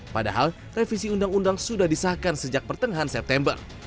padahal revisi undang undang sudah disahkan sejak pertengahan september